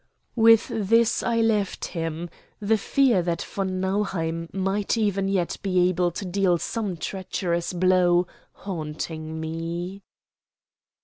With this I left him, the fear that von Nauheim might even yet be able to deal some treacherous blow haunting me.